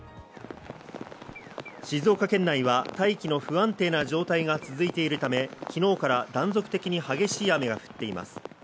静岡県内は大気の不安定な状態が続いているため、昨日から断続的に激しい雨が降っています。